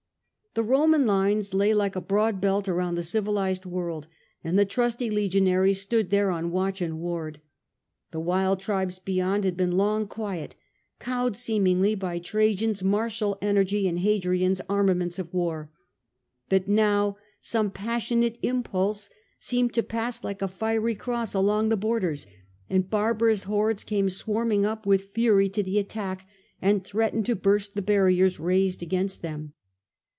The Roman lines lay like a broad belt around the civilised world, and the trusty legionaries stood there on watch and ward. The wild tribes beyond had been long quiet, cowed seemingly by Trajan's martial energy and Hadrian's armaments of war. But now some passionate impulse seemed to pass like a fiery cross along the borders, and barbarous hordes came swarming up with' fury to the attack, and threatened to burst the barriers raised against them.